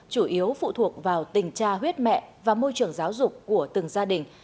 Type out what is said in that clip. chủ yếu phụ thuộc vào tình cha huyết mẹ và môi trường giáo dục của từng gia đình